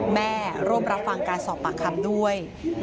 แม่ร่วมรับฟังการสอบปากคำด้วย